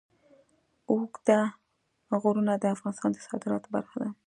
اوږده غرونه د افغانستان د صادراتو برخه ده.